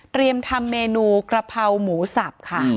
เตรียมทำเมนูกระเภาหมูสับ